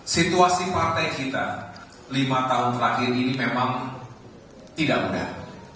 situasi partai kita lima tahun terakhir ini memang tidak mudah